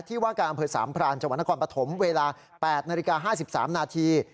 ว่าการอำเภอสามพรานจังหวัดนครปฐมเวลา๘นาฬิกา๕๓นาที